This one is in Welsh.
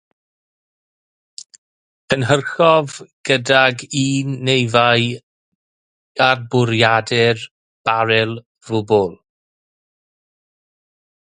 Cynhyrchodd gydag un neu ddau garbwradur baril ddwbl.